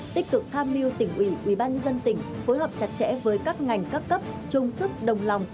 tích cực tham mưu tỉnh ủy ủy ban dân tỉnh phối hợp chặt chẽ với các ngành các cấp chung sức đồng lòng